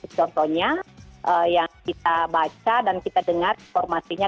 contohnya yang kita baca dan kita dengar informasinya